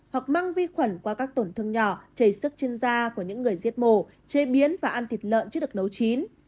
hoặc mang vi khuẩn qua các tổn thương nhỏ chảy sức trên da của những người giết mổ chế biến và ăn thịt lợn chưa được nấu chín